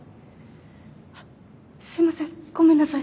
あっすいませんごめんなさい。